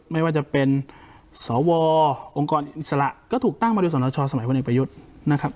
ไม่ว่าจะเป็นสวองค์กรอิสระก็ถูกตั้งมาโดยสนชสมัยพลเอกประยุทธ์นะครับ